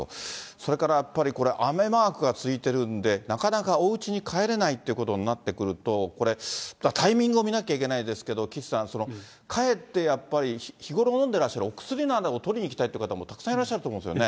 それからやっぱりこれ、雨マークが続いてるんで、なかなかおうちに帰れないっていうことになってくると、これ、タイミングを見なきゃいけないですけど、岸さん、帰って、やっぱり日頃飲んでらっしゃるお薬などを取りに行きたいという方もたくさんいらっしゃると思うんですよね。